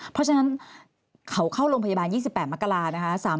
เพราะฉะนั้นเขาเข้าโรงพยาบาล๒๘มกรานะคะ